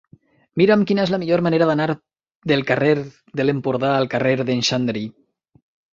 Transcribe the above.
Mira'm quina és la millor manera d'anar del carrer de l'Empordà al carrer d'en Xandri.